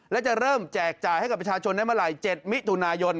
และจะเริ่มแจกจ่ายให้กับประชาชนได้เมื่อไหร่๗มิถุนายน